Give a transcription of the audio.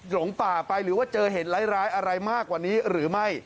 หลงป่าไปหรือว่าเจอเหตุร้ายอะไรมากกว่านี้หรือไม่